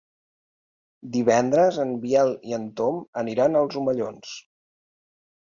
Divendres en Biel i en Tom aniran als Omellons.